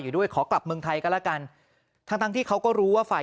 อยู่ด้วยขอกลับเมืองไทยก็แล้วกันทั้งทั้งที่เขาก็รู้ว่าฝ่าย